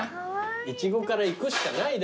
イチゴからいくしかないだろ。